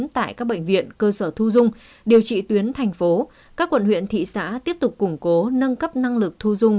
tại các bệnh viện cơ sở thu dung điều trị tuyến thành phố các quận huyện thị xã tiếp tục củng cố nâng cấp năng lực thu dung